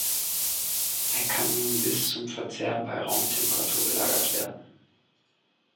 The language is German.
Er kann nun bis zum Verzehr bei Raumtemperatur gelagert werden.